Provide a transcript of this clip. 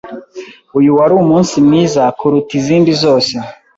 Uyu wari umunsi mwiza kuruta izindi zose.